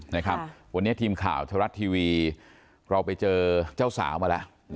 นะครับวันนี้ทีมข่าวไทยรัฐทีวีเราไปเจอเจ้าสาวมาแล้ว